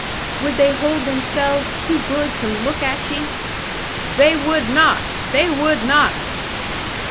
"Would they hold themselves too good to look at ye?" "They would not! They would not!"